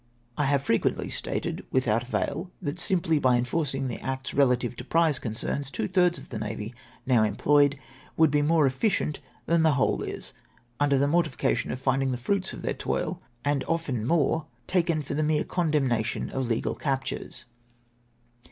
" I have frequently stated, without avail, that simply by enforcing the acts relative to prize concerns, two thirds of the navy now employed would be more efficient than the whole is, under the mortification of finding the fruits of their toil, and often more, taken for the mere condemnation of legal captures